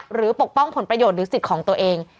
ปกป้องผลประโยชน์หรือสิทธิ์ของตัวเอง